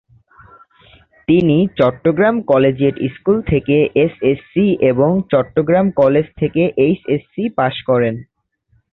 তিনি Chittagong collegiate school থেকে SSC এবং চট্টগ্রাম কলেজ থেকে এইচএসসি পাশ করেন।